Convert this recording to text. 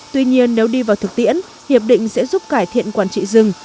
tuy nhiên nếu đi vào thực tiễn hiệp định sẽ giúp cải thiện quản trị rừng